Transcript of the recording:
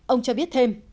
ông cho biết